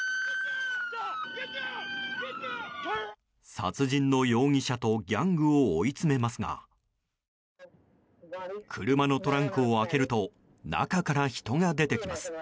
殺人の容疑者とギャングを追い詰めますが車のトランクを開けると中から人が出てきます。